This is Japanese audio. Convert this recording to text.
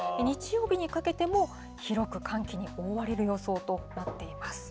日曜日にかけても、広く寒気に覆われる予想となっています。